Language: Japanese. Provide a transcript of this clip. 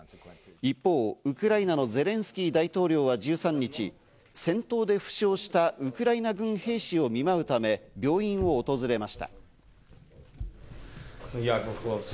一方、ウクライナのゼレンスキー大統領は１３日、戦闘で負傷したウクライナ軍兵士を見舞うため病院を訪れました。